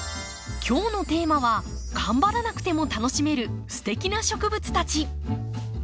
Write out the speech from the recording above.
今日のテーマはがんばらなくても楽しめるステキな植物たち。